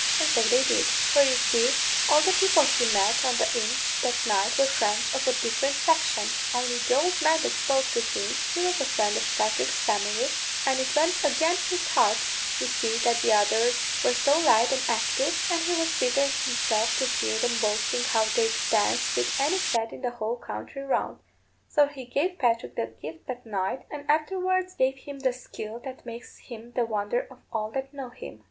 And so they did. For you see, all the people he met on the inch that night were friends of a different faction; only the old man that spoke to him, he was a friend of Patrick's family, and it went again his heart, you see, that the others were so light and active, and he was bitter in himself to hear 'em boasting how they'd dance with any set in the whole country round. So he gave Patrick the gift that night, and afterwards gave him the skill that makes him the wonder of all that know him.